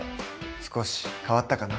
少し変わったかな？